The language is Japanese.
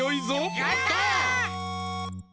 やった！